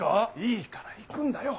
いいから行くんだよ！